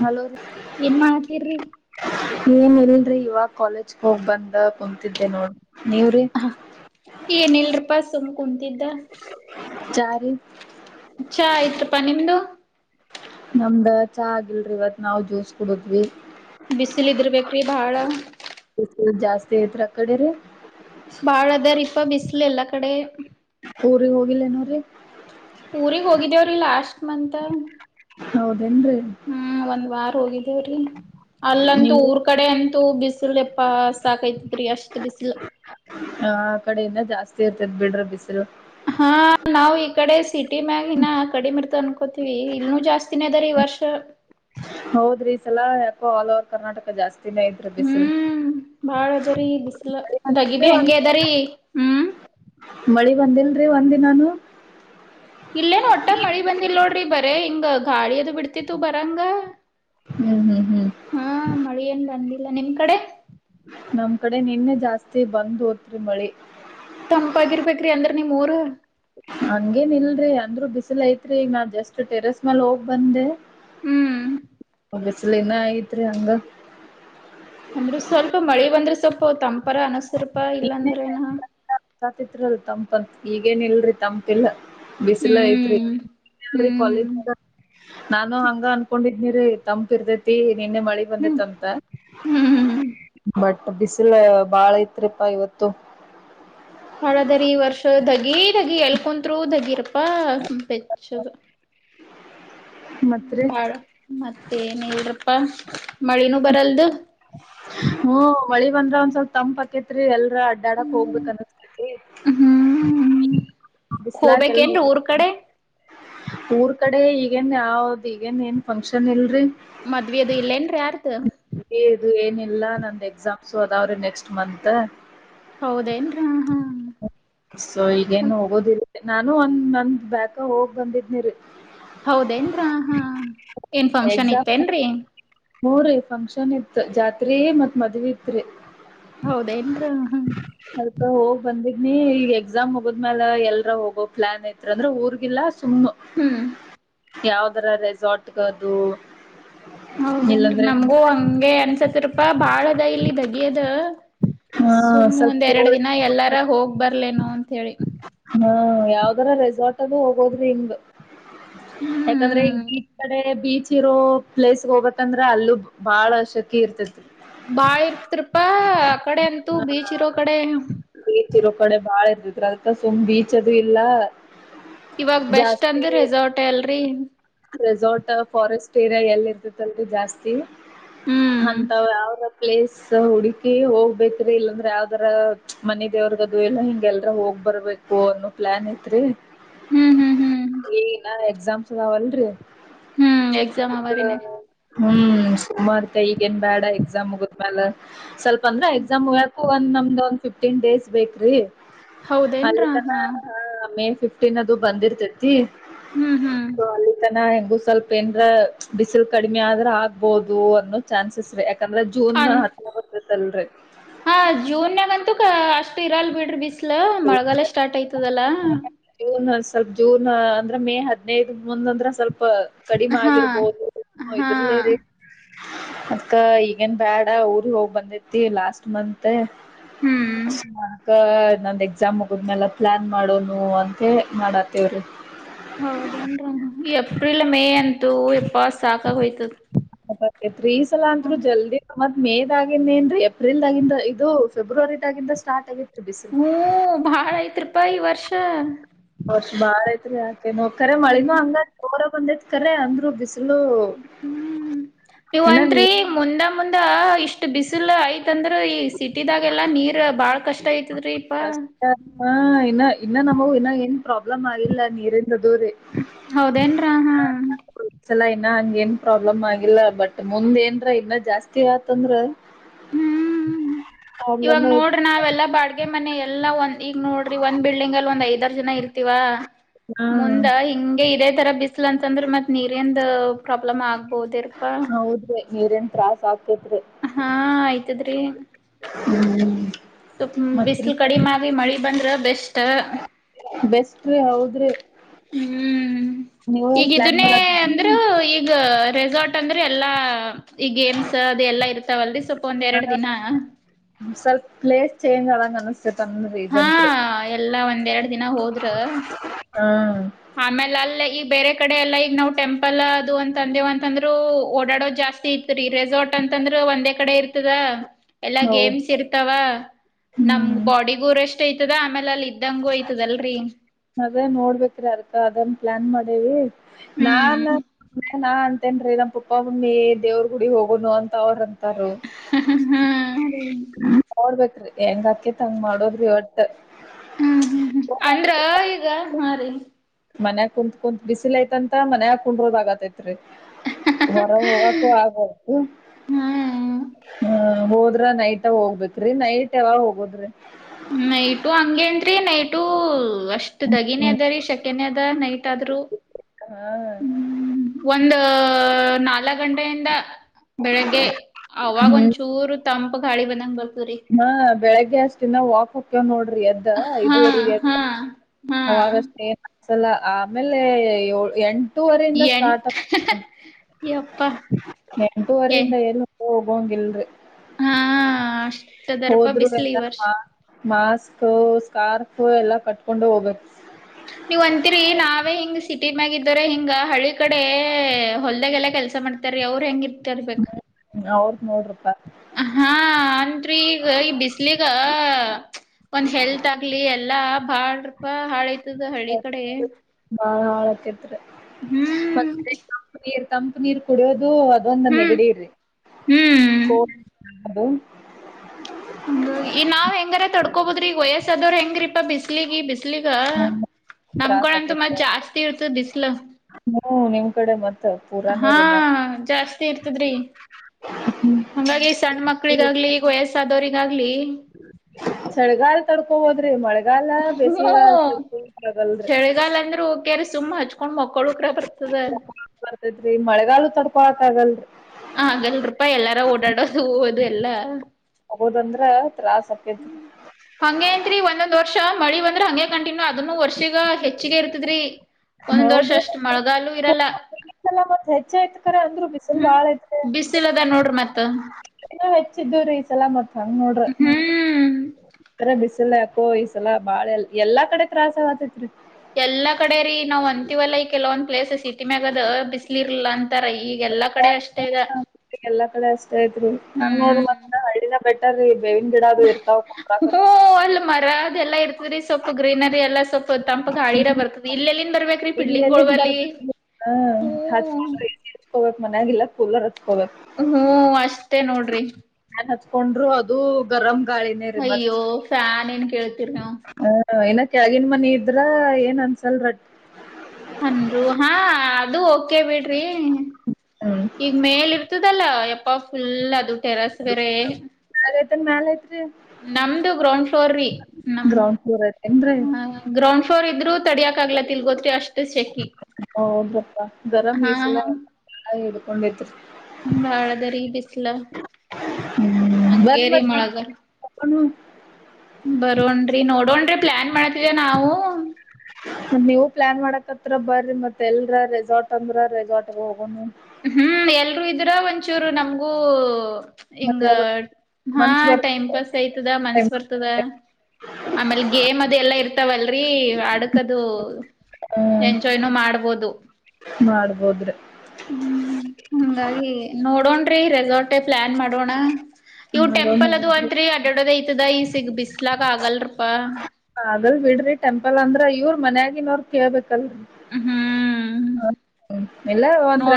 Hello ರೀ. ಏನ್ ಮಾಡತ್ತೀರ್ರಿ ಏನ್ ಇರಲ್ರರಿ ಇವಾಗ ಕಾಲೇಜ್ ಹೋಗ್ ಬಂದ ಕುಂತಿದ್ದೆ ನೋಡ. ಹ ಏನ ಇಲ್ರಪಾ ಸುಮ್. ತಿದ್ದ ಚಾ ರೀ ಚಾ ಆಯತ್ರಪ್ಪಾ ನಿಮ್ದು. ನಮ್ದ ಚಾ ಆಗಿಲ್ರಿ ಇವತ್ ನಾವ್ ಜ್ಯೂಸ್ ಕುಡುದ್ವಿ. ಬಿಸಿಲ ಇದರ್ಬೇಕ್ರಿ ಬಾಳ. ಫುಲ್ ಜಾಸ್ತಿ ಐತ್ ಕಡೆ ರೀ. ಬಾಳ ಅದಾರಿಪ್ಪ ಬಿಸ್ಲು ಎಲ್ಲಾ ಕಡೆ. ಊರಿಗೆ ಹೋಗಿಲ್ಲೇ ನೀವ್ ರೀ. ಊರಿಗೆ ಹೋಗಿದ್ದೇವ್ರೀ ಲಾಸ್ಟ್ ಮಂತ. ಹೌದೇನ್ರರಿ ಹೋಗಿದ್ದೊ ರೀ ಅಲ್ಲಂತೂ ನಿಮ್ಗು ಊರ್ ಕಡೆ ಅಂತೂ ಬಿಸಿಲು ಎಪ್ಪ ಸಾಕೈತ್ರಿ ಅಷ್ಟ ಬಿಸಿಲು. ಹ ಆ ಕಡೆಯಿಂದ ಜಾಸ್ತಿ ಇರ್ತದ ಬಿಡ್ರ ಬಿಸೃ ಹಾ ನಾವು ಈ ಕಡೆ ಸಿ ಕಟ ಮ್ಯಾಗಿನ ಕಡಿಮೆ ಇರ್ತ ಅನ್ಕೋತೀವಿ ಇಲ್ ಜಾಸ್ತಿನ ಅದಾರಿೀ ವರ್ಷ. ಹೌದ್ರಿ ಸಲ ಯಾಕೋ ಆಲ್ ಓವರ್ ಕರ್ನಾಟಕ ಜಾಸ್ತಿನೇ ಇದ್ರಿ ಬಿಸಿಲ್. ಹ್ಮ್ ಬಾಳ ಅದರಿೀ ಬಿಸ್ಲ ದಗಿ ಬಿ ಬಂದಿಲ್ರಿ ಹೆಂಗೆ ಒಂದ್ ಅದರೀ ಹ್ಮ್ ಮಳಿ ಬಂದಿಲ್ರಿ ಒಂದಿನಾನು ಇಲ್ಲೇನ ಒಟ್ಟ ಮಳಿ ಬಂದಿಲ್ಲ ನೋಡ್ರಿ ಬರೇ ಹಿಂಗ ಗಾಳಿ ಅದು ಬಿಡ್ತಿತ್ತು ಬರಾಂಗ. ಹ್ಮ್ ಹ್ಮ್ ಹ್ಮ್ ಹಾ ಮಳಿ ಎನ್ ಬಂದಿಲ್ಲ ನಿಮ್ ಕಡೆ. ನಮ್ ಕಡೆ ನಿನ್ನೆ ಜಾಸ್ತಿ ಬಂದೋತ್ರಿ ಮಳಿ. ತಂಪಾಗಿರ್ಬೇಕ್ರಿ ಅಂದ್ರ ನೀಮ್ ಊರು. ಹಂಗೇನ್ ಇಲ್ರಿ ಅಂದ್ರು ಬಿಸಿಲ ಐತ್ರಿ ಈಗ ನಾ ಜಸ್ಟ್ ಟೆರಸ್ ಮಲ್ ಹೋಗ್ ಬಂದೆ. ಹ್ಮ್ ಬಿಸಲ್ಲಿನ ಇನ್ನ ಐತ್ರಿ ಹಂಗ. ಅಂದ್ರೆ ಸ್ವಲ್ಪ ಮಳಿ ಬಂದ್ರೆ ಸ್ವಲ್ಪ ತಂಪರ ಅನಸರಪ ಇಲ್ಲಾಂದ್ರೇನ. ಸಾತಿತ್ಲ್ ತಂಪಂತತ್ ಈಗೇನ ಇಲ್ರರಿ ತಂಪ್ ಇಲ್ಲ. ಬಿಸಿಲ ಐತ್ರಿ ಹ್ಮ್ ಕಾಲೇಜ್ ಹ್ಮ್ ನಾನು ಹಂಗ ಅನ್ಕೊಂಡಿದ. ನೀ ತಂಪ ಇರ್ತೈತಿ ನಿನ್ನೆ ಮಳೆ ಹ್ಮ್ ಬಂದೈತ್ಂತ ಹ್ಮ್ ಬಟ್ ಬಿಸ್ ಲ್ಲ ಬಾಳ ಐತ್ರಿಪ್ಪಾ ಇವತ್ತು. ಹಾಳದರಿ ಈ ವರ್ಷ ಧಗಿ ದಗಿ ಎಲ್ ಕುಂತ್ರು ದಗಿರಪ್ ಪ್ಪ ಬೆಚ್ಚಗ ಮತ್ರಿ ಬಾಳ ಮತ್ತೆನ್ ಹೇಳ್ರಪ್ಪಾ ಮಳಿನೂ ಬರಲ್ದು. ಹ್ಮ ಮಳಿ ಬಂದ್ರ ಒಂದ್ ಸ್ವಲ್ಪ ತಂಪ್ ಅಕೇತ್ರಿ ಎಲ್ ಅಡ್ಡಾಡಕ್ ಹೋಗ್ಬೇಕು ಅನ್ನಸ್ತತಿ. ಹ್ಮ್ ಬಿಸ್ಲಕ್ಕೆ ಎಲ್ಲ ಹೋಗ್ಬೇಕೇನ್ರೀ ಹೋಗ್ ಊರ್ ಕಡೆ ಊರ್ ಕಡೆ ಈಗೇನ್ ಯಾವ್ದ್ ಈಗೇನ್ ಏನ್ ಫಂಕ್ಷನ್ ಇಲ್ರಿ. ಮದ್ವೆ ಅದು ಇಲ್ಲೇನ್ರ ಯಾರ್ದು. ದು ಏನಿಲ್ಲ ನಂದ ಎಕ್ಸಾಮ್ಸ್ ಅದಾವ್ರೆ ನೆಕ್ಸ್ಟ್ ಮಂತ್. ಹೌದೇನ್ರ ಹಾ ಹ ಸೊ ಈಗೇನು ಹೋಗದ ನಾನು ಒಂದ್ ನಂದ್ ಬ್ಯಾಕ್ ಹೋಗ್ ಬಂದಿದ್ನಿರಿ. ಹೌದೇನ್ರ ಹಾ ಏನ್ ಫಂಕ್ಷನ್ ಇತ್ತೇನ್ರೀ. ಮೂರ ಫಂಕ್ಷನ್ ಇತ್ತು ಜಾತ್ರೆಯೇ ಮತ್ ಮದ್ವಿ ಇತ್ರಿ. ಹೌದ ಏನ್ರ ಹಾ ಅದ್ಕ ಹೋಗ್ ಬಂದಿದ್ನಿ ಈಗ ಎಕ್ಸಾಮ್ ಹೋಗೋದ್ ಮ್ಯಾಲ ಎಲ್ರ ಹೋಗೋ ಪ್ಲಾನ್ ಐತ್ ಅಂದ್ರೆ ಊರ್ಗಿಲ್ಲಾ ಸುಮ್. ಹ್ಮ್ ಯಾವ್ದರ ರೆಸಾರ್ಟ್ಗದು. ಹೌದೇನ್ರಿ ಇಲ್ಲಾಂದ್ರೆ ನಮಗೂ ಹಂಗೆ ಎನ್ಸತ್ತು ರೂಪಾಯ ಬಾಳ ಅದ ಇಲ್ಲಿ ದಗಿಯದ. ಹಾ ಸುಮ ಸ್ವಲ್ಪ ಒಂದ್ ಎರಡು ಕೋಲ್ಡ್ ದಿನ ಎಲ್ಲಾರ ಹೋಗ್ ಬರ್ಲೇನು ಅಂತ ಹೇಳಿ. ಯಾವದರ ರೆಸಾರ್ಟ್ ಅಲ್ಲೂ ಹೋಗೋದ್ರೆ ಹಂಗ ಯಾಕಂದ್ರೆ ಈ ಹ್ಮ್ ಬೀಚ್ ಕಡೆ ಬಿ ಚಿರೋ ಪ್ಲೇಸ್ ಹೋಗಬತ್ತಂದ್ರೆ ಅಲ್ಲೂ ಬಾಳ ಶಕಿ ಇರ್ತತಿ. ಬಾಳ ಇರ್ತರಿಪಾ ಆ ಕಡೆ ಅಂತೂ ಬೀಚ್ ಹಾ ಇರೋ ಕಡೆ. ಅ್ರ ಅದ ಸುಮ್ ಬೀಚ್ ಅದು ಇಲ್ಲ. ಇವಾಗ ಬೆಸ್ಟ್ ಜಾಸ್ತಿ ಅಂದ್ರ ರೆಸಾರ್ಟ ಅಲ್ರಿ. ರೆಸಾರ್ಟ್ ಫಾರೆಸ್ಟ್ ಏರಿಯಾ ಎಲ್ಲಿ ಇರ್ತತಿಲ್ರಿ ಜಾಸ್ತಿ ಹ್ಮ್ ಹಂತ ವದ ಪ್ಲೇಸ್ ಹುಡುಕಿ ಹೋಗ್ಬೇಕ್ರ ಇಲ್ಲಾಂದ್ರೆ ಯಾವ್ದರ ಮನೆ ದೇವ್ರಗದು ಎಲ್ಲ ಹಿಂಗೆ ಎಲ್ರ ಹೋಗ್ ಬರ್ಬೇಕು ಅನ್ನೋ ಪ್ಲಾನ್ ಐತ್ರಿ ಹ್ಮ್ ಹ್ಮ್ ಹ್ಮ್ ಏನಾ ಎಗ್ಸಾಮ್ಸ್ ಕಾವಾಲಿ ಹ್ಮ್ ಎಕ್ಸಾಮ್ ಅದ ಅವರಿನ ಹ್ಮ್ ಸುಮಾರ ಮತ್ತ ಈಗ ಏನ್ ಬೇಡ ಎಕ್ಸಾಮ್ ಮುಗಿದ್ಮೇಾಲ ಸ್ವಲ್ಪ ಅಂದ್ರ ಎಕ್ಸಾಮ್ಗಕು ಒಂದ್ ನಮ್ದು ಫಿಫ್ಟೀನ್ ಡೇಸ್ ಬೇಕ್ರಿ ಹೌದೇನ್ರ ಅಲ್ಲಿ ಹಾ ಫಿಫ್ಟೀನ್ ಅದು ಬಂದಿರ್ತೈತಿ ಹ್ಮ್ ಹ್ಮ್ ಹೆಂಗು ಸ್ವಲ್ಪ ಏನ್ರ ಬಿಸಿಲು ಕಡಿಮೆ ಆದ್ರ ಆಗ್ಬಹುದು ಅನ್ನೋ ಚಾನ್ಸಸ್ ರ ಅ ಹಾ ಜೂನ್ ನಗಂತು ಕಷ್ಟ ಇರಲ್ ಬಿಡ್ರಿ ಬಿಸ್ಲ ಮಳಗಾಲ ಸ್ಟಾರ್ಟ್ ಆಯತದಲ್ಲಾ ಜೂನ್ ಸ್ವಲ್ಪ ಜೂನ್ ಅಂದ್ರೆ ಮೇ ಹದ್ನೈದು ಮುಂದ್ ಅಂದ್ರ ಸ್ವಲ್ಪ ಕಡಿಮೆ ಹಾ ಆಗಿರ್ಬೋದು ಹಾ ಇದ್ರಲೇ ರೀ ಅದಕ್ಕ ಈಗೇನ್ ಬ್ಯಾಡ ಊರ್ ಹೋಗ್ ಬಂದೈತಿ ಲಾಸ್ಟ್ ಮತ್ ಹ್ಮ್ ಸ ಅಕ ನಂದ ಎಕ್ಸಾಮ್ ಹೋಗದ್ಲ್ಲ ಪ್ಲಾನ್ ಮಾಡೋನು ಅಂತ ಮತ್ತೆ ಮಾಡಾತ್ತವರು ಹೌದೇನ್ರ ಎಏಪ್ರಿಲ್ ಮೇ ಅಂತೂ ಎಪ್ಪ ಸಾಕಾಗ ಹಯ್ತದೆ ತ್ಸಲ ಅಂತ್ರು ಜಲ್ದಿ ಮತ್ ಮೇದಾಗಿದೇಏನ್ ಏಪ್ರಿಲ್ದಾಗಿದ ಇದು ಫೆರವರಿ ಆಾಗಿಂದ ಸ್ಟಾರ್ಟ ಆಗಿತ್ತು ಹೂ ಭಾಳ ಐತ್ರಿಪಾ ಈ ವರ್ಷ ವರ್ಷ್ ಬಾಳ ಐತ್ರಿ ಯಾಕೆ ನೋಕರ ಮಳಿನ ಹಂಗ ಜೋರ ಬಂದೈತ್ ಕರ ಅಂದ್ರು ಬಿಸಿಲು ಹ್ಮ್ ಇನ್ನ ನೀವ್ತ್ರಿ ನೀರ್ ಮುಂದ ನ ಮುಂದ ಇಷ್ಟ್ ಬಿಸಿಲು ಆಯ್ತಂದ್ರೆ ಸಿಟಿದಾಗೆಲ್ಲಾ ನೀರ್ ಬಾಳ ಕಷ್ಟ ಐತದ್ರೀ ಇಪ್ಪಾ ಇನ್ನು ನಮಗ ಇನ್ನ ಏನ್ ಪ್ರಾಬ್ಲಮ್ ಆಗಿಲ್ಲ ನೀರ ಹೌದೇನ್ರ ಹಾ ಚಲಾ ಇನ್ನ ಹಂಗ ಏನ್ ಪ್ರಾಬ್ಲಮ್ ಆಗಿಲ್ಲ ಬಟ್ ಮುಂದ್ ಏನ್ರ ಇನ್ನ ಜಾಸ್ತಿ ಆತಂದ್ರ ಹ್ಮ್ ಪ್ರಾಬ್ಲಮ್ ಇವಾಗ ಐತಿ ನೋಡ್ರ ನಾವೆಲ್ಲಾ ಬಾಡಗೆ ಮನೆ ಎಲ್ಲಾ ಒಂದ ಈಗ ನೋಡ್ರಿ ಒಂದ್ ಬಿಲ್ಡಿಂಗ್ ಅಲ್ಲಿ ಒಂದ್ ಐದರ್ ಜನ ಇರ್ತಿವ ಹ್ಮ್ ಮುಂದ ಹಿಂಗೆ ಇದದೆ ತರ ಬಿಸಲ ಅಂತಂದ್ರ ಮತ್ ನೀರಿಂದ ಪ್ರಾಬ್ಲಮ್ ಆಗ್ಬೋದರಪಾ ಹೌದ್ರಿ ನೀರಿನ್ ಸಸ್ ಆಗ್ತ ಹಾ ಆಯ್ತದ್ರಿ ಹ್ಮ್ ಸುಪ್ ಮತ್ತ್ರಿ ಬಿಸಲು ಕಡಿಮೆ ಆ ಮಳಿ ಬಂದ್ರ ಬೆಸ್ಟ್ ಬೆಸ್ಟ್ ಹೌದ್ರಿ ಹ್ಮ್ ನೀವ್ ಈಗ ಎಲ್ ಪ್ಲಾನ್ ಇದನ್ನೇ ಮಾಡಾತಿರೇನ್ರಿ? ಅಂದ್ರರು ಈಗ ರೆಸಾರ್ಟ್ ಅಂದ್ರೆ ಎಲ್ಲಾ ಈ ಗೇಮ್ಸ್ ಅ ಎಲ್ಲಾ ಇರ್ತಾವಲ್ರಿ ಸ್ವಲ್ ಹಾ ಸ್ವಲ್ಪ ಪ್ಲೇಸ್ ಚೇಂಜ್ ಆದಂಗ ಅನತ ಹಾ ಎಲ್ಲಾ ಒಂದೆರಡು ದಿನ ಹೋದ್ರ ಹ್ಮ್ ಆಮೇ ಲಾಲ್ ಈಗ ಬೇರೆ ಕಡೆ ಎಲ್ಲ ಈಗ ನಾವವು ಟೆಂಪಲ್ ಅದು ಅಂತ ಅಂದೇವ ಅಂತ ಅಂದ್ರು ಓಡಾಡೋದು ಜಾಸ್ತಿ ಇತ್ ರೀ ರೆಸಾರ್ಟ್ ಅಂತಂದ್ರರು ಒಂದೇ ಕಡೆ ಇರ್ತದ ಎಲ್ಲಾ ಹೌದ್ ಗೇಮ್ಸ್ ಇರ್ತಾವ ನಮ ಹ್ಮ್ ಬಾಡಿಗು ರೆಸ್ಟ್ ಐತದ ಆಮೇಲೆ ಅಲ್ಲಿ ಇದ [unintelligible] ಗುೋಯ್ತದಲ್ರರಿ ಅದೇ ನೋಡ್ಬೇಕ್ರ ಅರ್ತ ಅದನ್ ಪ್ಲಾನ್ ಮಾಡೇವಿ ನಾನ್ ಹ್ಮ್ ನಾ ಅಂತೇನ್ೀ ನಮ್ಮ ಪುಪ್ಪ ಮಮ್ಮಿ ದೇವ್ರ ಗುಡಿ ಹೋಗೋನು ಅಂತ ಅವ್ರಂತ ರ ಹಾ ರೀ [unintelligible] ಹೆಂಗಕಿತಂಗ್ ಮಾಡೋದ್ರಿ ಒಟ್ಟು. ಯ ಮರೀ. ಮನ್ಯಗ್ ಕುಂತ್ ಕುಂತ್ ಬಿಸಿಲೈತಂತ ಮನ್ಯಗ್ ಕುಂದ್ರದ್ ಆಗತೈತಿ. ಹೊರಗೂಗಕು ಆಗವಲ್ದು. ಹ್ಮ್ ಹೋದ್ರ ನೈಟ ಹೋಗ್ಬೇಕ್ರಿ ನೈಟ್ ಯಾವಾಗ್ ಹೋಗೋದ್ರಿ. ನೈಟು ಹಂಗೇನ್ರಿ ನೈಟು ಅಷ್ಟ್ ದಗಿನೆ ಅದರೀ ಶಕ್. ಕಿನೆದ ನೈಟ್ ಆದ್ರು. ಹಾ ಒಂದು ನಾಲ್ಕ್ ಗಂಟೆಯಿಂದ ಬೆಳಿಗ್ಗೆ ಅವಾಗೊಂಚೂರು. ತಂಪ್ ಗಾಳ ಬಂದಂಗ್ ಬಾರ್. ಹ ಬೆಳಿಗ್ಗೆ ಅಷ್ಟಿನ ವಾಕ್ ಹೊಕ್ಕಿವ್ ನೋಡ್ರಿ ಎದ್ದ ಹಾ ಐದುವರೆ ಎದ್ದ. ಹಾ ಹಾ ಅವಾಗಷ್ಟೇನ್ ಏನ್ಸಲ್ಲ ಆಮೇಲೆ ಯೋಳ್ ಎಂಟ್. ಎಂಟು ವರಿಂದ ಎಂಟ್ ಸ್ಟಾರ್ಟ್ಕತ್ರಿ ಯಪ್ಪಾ ಎಂಟು ಏ ವರಿಂದ ಎಲ್ಲೂ. ಹೋಗಂಗಿಲ್ರಿ. ಹಾ ಅಷ್ಟದಾರಪ ಬಿಸ್ಲಿ ಈ ವರ್ಷ. ಮಾಸ್ಕ್ ಸ್ಕಾರ್ಫ್ ಎಲ್ಲ ಕಟ್ಕೊಂಡೆ ಹೋಗ್ಬಕ್. ಇಲ್ಲರೆ ಹಿಂಗ ಹಳ್ಳಿ ಕಡೆ ಹೊಲ್ದಾಗೆಲ್ಲ ಕೆಲಸ ಮಾಡ್ತಾರೀ ಅವ್ರ ಹೆಂಗಿರ್. ಅವ್ರ್ದ್ ನೋಡ್ರಿ. ಹಾ ಅಂತ್ರಿ ಈಗ ಈ ಬಿಸ್ಲಿಗ ಬಾಳ್ರಪ ಹಾಳೈತದ ಹಳ್ಳಿ ಕಡೆ. ಹ ಹಕೇತ್ರಿ ಹ್ಮ್. ತಂಪ್ ನೀರ್ ಕುಡಿಯೋದು ಅದೊಂದು ಹ್ಮ್ ನೆಗಡಿ ರೀ. ಹ್ಮ್ ಹಂಗಾಗಿ ಇಗ್ ನಾವ್ ಹೆಂಗಾರ ತಡ್ಕೋಬೋದ್ರಿ ಇವಾಗ್ ವಯಸ್ಸದವ್ರ್ ಹೆಂಗ್ರೀಪಾ ಬಿಸ್ಲಿಗೆ ಬಿಸ್. ಗ ತ್ರಾಸ್ ನಮ್ಕಡೆ ಅಂತು ಮತ್ ಆಕ್ಕೇತ್ರಿ ಜಾಸ್ತಿ ಇರ್ತ ಬಿಸ್ಲಾ. ಹ್ಮ್ ನಿಮ್ ಕಡೆ ಮತ್. ಹಾ ಜಾಸ್. ಇರ್ತದ್ರಿ ಹಂಗಾಗಿ ಸಣ್ಮಕ್ಳಿಗಾಗ್ಲಿ ಈಗ ವಯಸ್ಸದವ್ರಿಗ್. ಚಳಗಾಲ್ ತಡ್ಕೊ ಬೋದ್ರಿ ಮಳೆ. ಮಳೆಗಾಲ ಬೆಸ್ಗೆಗಾಲ ಹ್ಮ್ ತಡ್ಕೊಳಕ್ ಆಗಲ್ರಿ. ಚಳಿಗಾಲ ಅಂದ್ರೂ ಓಕ್ಯಾರಿ ಸುಮ್ ಹಚ್ಕೊಂಡ್ ಮಕ್ಕೊಳಕ್ರ ಬರ್ತದ ಬರ್ತದ್ರಿ ಮಳೆಗಾಲೂ ತಡ್ಕೋಳಕ್ ಆಗಲ್ರಿ. ಹಗಲ್ರಪಾ ಎಲ್ಲಾರ ಓಡಾಡೋದು ಹದು ಎಲ್ಲಾ. ಹೌದಂದ್ರ. ಹ್ಮ್ ಹಂಗೆಂತ್ರಿ ಒಂದೊಂದ್ ವರ್. ವರ್ಷ ಮಳಿ ಬಂದ್ರ ಹಂಗೆ ಕಂಟಿನ್ಯೂ ಅದುನ್ನು ವರ್ಷಿಗ ಹೆಚ್ಚಿಗೆ ಇರ್ತದ್ರಿ. ಒಂದ್ ವರ್ಷ ಅಷ್ಟ್ ಮಳೆಗಾಲೂ ಇರಲ್ಲ. ಲ್ಲ ಮತ್ ಹೆಚೈತ್ ಕರ ಅಂದ್ರು ಬಿಸುಲ್ ಹ್ಮ್ ಬಾಳ ಐತ್ರಿ. ಬಿಸಿಲದ ನೋಡ್ರಿ ಮತ್ತ. ಚಿದ್ದೂರಿ ಈಸಲ ಮತ್ ಹ್ಮ್ ಹಂಗ್ನೋಡ್ರ ಬಿಸ್. ಇಲ್ಲಪೋ ಈಸಲ ಬಾಳಲ್ ಎಲ್ಲಾ ಕಡೆ ತ್ರಾಸಗತೈತ್ರಿ. ಎಲ್ಲಾ ಕಡೆ ರೀ ನಾವ್ ಅಂತೀವಲ್ಲಾ ಈ ಕೆಲವೊಂದ್ ಪ್ಲೇಸ್ ಸಿಟಿ ಮ್ಯಾಗದ ಬಿಸ್ಲಿರಲ್. ಲ್ಲ ಅಂತಾರ ಇಗ್ ಎಲ್ಲಾ ಕಡೆ ಅಷ್ಟೇ ಇದೆ. ಎಲ್ಲ ಕಡೆ ಅಷ್ಟ ಐತ್ರಿ ಹಂಗ ನೋಡದದ್ರಾ ಹಳ್ಳಿನ ಬೆಟರ್ ರೀ. ಬೇವಿನ ಗಿಡಗುಳ್. [unintelligible] ಅದೆಲ್ಲ ಇರ್ತದರಿ ಸ್ವಲ್ಪ ಗ್ರೀನರಿ ಎಲ್ಲಾ ಸ್ವಪ ತಂಪ್ ಗಳ್ಯಾರ ಬರ್ತದ ಇಲ್. ಏನ್ ಬರ್ಬಾಕ್ರಿ ಇನ್ ಪಿಡ್ಲಿಂಗ ಎಲ್ಲಿಂದ ಗೋವರ್ಲಿ ಬರ್ಬೇಕ್ರಿ ಹಾ ಹ್ಮ. ಹಚ್ಕೊಂಡ್ರ ಹಚ್ಕೋಬೇಕ್ ಮನ್ಯಾಗಿಲ್ಲ ಕೂಲರ್ ಹಚ್ಕೋಬೇಕ್. ಹ್ಮ್ ಅಷ್ಟೇ ನೋಡ್ರಿ. ನಾನ್ ಹಚ್ಕೊಂಡ್ರು ಅದು ಗರಂ. ಗಾಯೀನೇರಿ ಮತ್ ಅಯ್ಯೋ ಫ್ಯಾನ್ ಏನ್ ಕೇಳ್ತೀರಿ ನೀವು ಹ. ಇನ ತೆಳಗಿನ್ ಮನಿ ಇದ್ರ ಏನ್ ಅನ್ಸಲರ್ಟ್. ಅಂದ್ರು ಹಾ ಅದು. ಬಿಡ್ರಿ ಹ್ಮ್ ಇಗ್ ಮೇಲ್ ಇರ್ತದಲ್ಲ ಯಪ್ಪ ಫುಲ್ ಅದು. ಟೆರಸ್ ಬೇರೆ. ಕೆಳಗ್ ಐತೇನ್ ಮ್ಯಾಲ್ ಐತ್ರಿ ನಮ್ದು ಗ್ರೌಂಡ್ ಫ್ಲೋರ್ ರೀ ನಮ್ದ ಗ್ರೌಂಡ್ ಫ್ಲೋರ್ ಐತೇನ್ರಿ ಹ ಗ್ರೌಂಡ್ ಫ್ಲೋರ್. [unintelligible] ರು ತಡಿಯಕ್ ಆಗ್ಲಾತಿಲ್ಗೋತ್ರಿ ಅಷ್ಟು ಶಕೀ. ಹೌದಪ್ಪಾ ಗರಂ ಈ ಸಲಾ ಹಿಡ್ಕೊಂಡಿತ್ರಿ. ಬಾಳದರಿ ಬಿಸ್ಲ ಹ್ಮ್ ಬರ್ರಿ ಹಂಗೇರಿ ಮತ್ ನಮ್ ಮಳೆಗಾಲ. ಕರ್ಕೊಂಡು ಬರೋಣ್ರಿ ನೋಡಣ್ರಿ ಪ್ಲಾನ್ ಮಾಡ್ತಿದೇವ ನಾವು. ನೀವು ಪ್ಲಾನ್ ಮಾಡಕ್ತ್ರ ಬರ್ರಿ ಮತ್ ಎಲ್ರ ರೆಸಾರ್ಟ್ ಅಂದ್ರ ರೆಸಾರ್ಟಗ ಹೋಗೋನು. ಹ್ಮ್ ಎಲ್ರುೂ ಇದ್ರ ಒಂದ ಒಂಚೂರು ನಮ್ಗೂ. ಹಿಂಗ ಮಜಾ ಬರ್ ಹಾ ಮನ್ಸ್ ಬರ್ ಟೈಮ್ ಪಾಸ್ ಐ್ತದ ಮನ್ಸ ಬರ್ತದ. ಆಮೇಲ್ ಗೇಮ್ ಅದು ಎಲ್ಲಾ ಇರ್ತಾವಲ್ರರಿ ಆಡಕ್ದು. ಎಂಜಾಯ್ನೂ ಮಾಡ್ಬೋದು. ಮಾಡಬಹುದ್ರಿ. ಹ್ಮ್ ಹಂಗಾಗಿ ನೋಡೋಣ್ರಿ ರೆಸಾರ್ಟೆ ಪ್ಲಾನ್ ಮಾಡೋಣ. ಇವು ಮಾಡೋಣ ಟೆಂಪಲ್ ಅದು ಹೊಂಟ ರಿಅಡ್ಡಾಡದ ಐತದ ಈ ಸಿಗ್ ಬಿಸ್ಲಾಕ್ ಆಗಲ ರಪ್ಪ. ಅಗಲ ಬಿಡ್ರಿ ಟೆಂಪಲ್. ಹ ಇವ್ರ ಮನ್ಯಾಗಿ ನವರ ಕೇಳಬೇಕ್ ಅಲ್ರಿ. ಹ್ಮ್.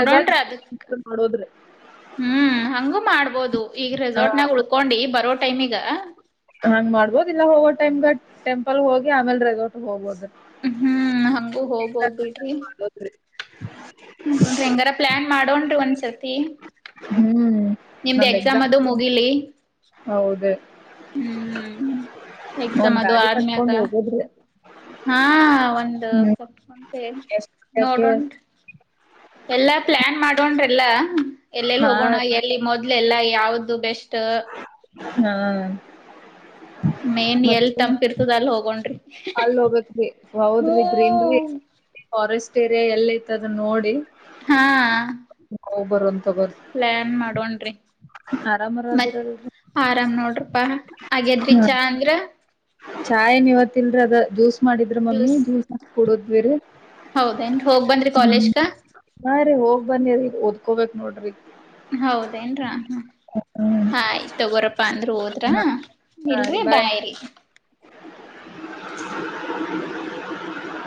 ರೆಸಾರ್ಟ್ ಅದಕ್ ಮಾಡೋದ್ರಿ ಹ್ಮ್ ಹಂಗೂ ಮಾಡ್. ಬಹುದು ಈಗ ಹಾ ರೆಸಾರ್ಟ್ ನ್ಯಾಗ ಉಳ್ಕೊಂಡಿ ಬರೋ ಟೈಮ್ ಮೀ ಗ. ಹಂಗ್ ಮಾಡ್ಬೋದು ಇಲ್ಲ ಹೋಗೋ ಟೈಮ್ಗ ಟೆಂಪಲ್ ಹೋಗಿ ಆಮೇಲ್ ರೆಸಾರರ್ಟ್ ಹೋಗ್ಬೋದ್ರಿ. ಹ್ಮ್ ಹಂಗೂ ಹೋಗ. ಹೋಗ ಬಿಡ್ರಿ ಹ ಹಂಗಾರ ಪ್ಲಾನ್ ಮಾಡೋನ್ ರಿ ಒಂದ್ಸ. [unintelligible] ಹ್ಮ್ ನಿಮ್ದ ಎಕ್ಸಾಮ್ ಅದು ಮುಗಿಲಿ. ಹೌದು ಹ್ಮ್ ಎಕ್ಸಾಮ್ ಒಂದ್ ಅದು ಗಾದಿ ಆದ್ಮ್ಯಾಗ ಕಟ್ಕೊಂಡು ಹೋಗದ್ರಿ. ಹಾ ಒಂದ [unintelligible] ಎಷ್ಟ್ ಯಾಕೆ ನೋಡೋನ್ರಿ. ಎಲ್ಲಾ ಪ್ಲಾನ್ ಮಾಡೋನ್ರೀ ಎಲ್ಲ ಎಲ್ಲೆಲ್ಲಿ ಹಾ ಹೋಗೋಣ ಎಲ್ಲಿ ಮೊದ್ ಇದ ಎಲ್ಲಾ ಯಾವ್ದು ಬೆಸ್ಟ್. ಹಾ. ಮೇನ್ ಎಲ್ ತಂಪಿ ಇರ್ತದ ಅಲ್ಲಿ ಹೋಗೋಣ್ರಿ. ಅಲ್ಲಿ ಹೋಗ್ಬೇಕೇರಿ ಹೂ ಹೌದ್ರಿ ಗ್ರೀನ್ರಿ ಫಾರೆಸ್ಟ್. ಸೆರೆ ಎಲ್ಲ ಐತ ಅದನ್ನ ನೋಡಿ. ಹಾ ಹೊಗಿ ಬರೋಣ. ಪ್ಲಾನ್ ಮಾಡೋನ್ ರಿ ಆರಾಮರ ಮತ್ ಅದಿರಲ್ರಿ ಆ ಆರಾಮ್ ನೋಡ್ರಪಾ ಆಗೆದ್ರೀ ಚಾ ಅಂದ್ರ. ಚಾಯ್ ನೀ ಇವತ್ ಇಲ್ರ ಅದ ಜ್ಯೂಸ್ ಮಾಡಿದ್ರ ಮಮ್ಮಿ ಜ್ಯೂಸ್ ಕೊಡೋದ್ ವಿರಿ. ಹೌದ ಏನ್ ರಿ ಹೋಗ್ ಬಂದ್ರಿ ಕಾಲೇಜ ಕ. ಹಾ ಹೋಗ್ ಬನ್ನಿ ರಿ ಓದ್ಕೋಬೇಕಕ್ ನೋಡ್ರಿ ಈಗ. ಹೌದ ಏನ್ ರಾ. ಹ್ಮ್ ಆಯ್ತತ್ ತಗೋರಪ್ಪಾ ಅಂದ್ರರ ಓದ ರಾ ಸರಿ ಇಲ್ರಿ ಬಾಯ್. ಬಾಯ್ರಿ. [inaudible]